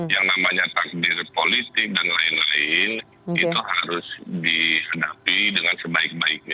yang namanya takdir politik dan lain lain itu harus dihadapi dengan sebaik baiknya